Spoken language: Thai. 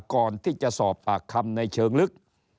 ก่อนที่จะสอบปากคำในเชิงลึก